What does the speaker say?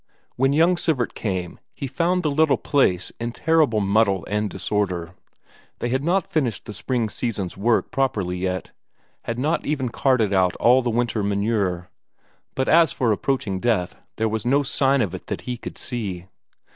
When young Sivert came, he found the little place in terrible muddle and disorder; they had not finished the spring season's work properly yet had not even carted out all the winter manure; but as for approaching death, there was no sign of it that he could see.